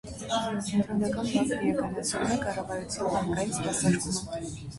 Կենտրոնական բանկն իրականացնում է կառավարության բանկային սպասարկումը։